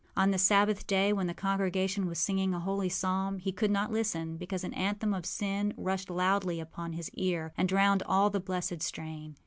On the Sabbath day, when the congregation were singing a holy psalm, he could not listen because an anthem of sin rushed loudly upon his ear and drowned all the blessed strain.